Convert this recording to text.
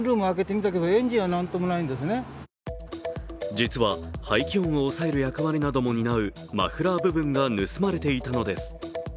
実は、排気音を抑える役割なども担うマフラー部分が盗まれていたのです。